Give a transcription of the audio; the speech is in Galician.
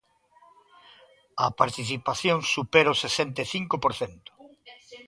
A participación supera o sesenta e cinco por cento.